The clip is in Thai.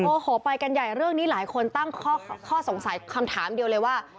โอ้โหไปกันใหญ่เรื่องนี้หลายคนตั้งข้อสงสัยคำถามเดียวเลยว่า